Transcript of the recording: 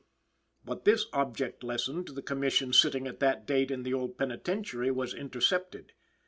But this object lesson to the Commission sitting at that date in the old Penitentiary was intercepted.